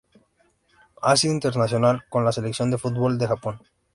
Ha sido internacional con la Selección de fútbol de Japón.